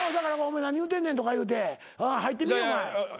何言うてんねんとか言うて入ってみお前。